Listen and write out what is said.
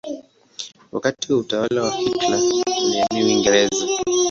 Wakati wa utawala wa Hitler alihamia Uingereza.